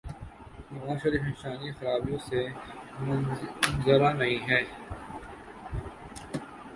نوازشریف انسانی خرابیوں سے منزہ نہیں ہیں۔